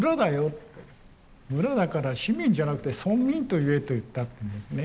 村だから市民じゃなくて村民と言え』と言った」と言うんですね。